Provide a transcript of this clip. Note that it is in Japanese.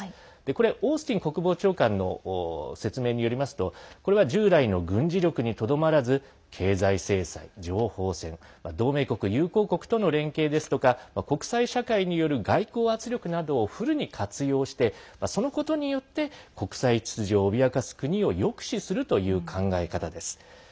これ、オースティン国防長官の説明によりますとこれは従来の軍事力にとどまらず経済制裁、情報戦同盟国・友好国との連携ですとか国際社会による外交圧力などをフルに活用してそのことによって国際秩序を脅かす国を抑止するという考え方です。